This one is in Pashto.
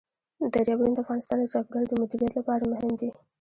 دریابونه د افغانستان د چاپیریال د مدیریت لپاره مهم دي.